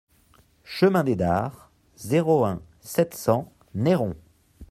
Chemin des Dares, zéro un, sept cents Neyron